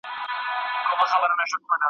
وروسته وکیل دار ته وتړل شو